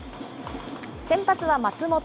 先発は松本。